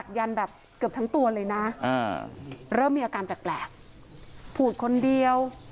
คุณปุ้ยอายุ๓๒นางความร้องไห้พูดคนเดี๋ยว